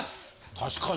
確かに。